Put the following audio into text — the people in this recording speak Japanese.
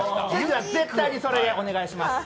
絶対それお願いします。